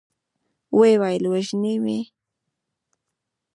ويې ويل: وژني مې؟